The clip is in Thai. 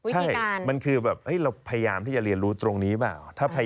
ใช่มันคือแบบเราพยายามที่จะเรียนรู้ตรงนี้เปล่า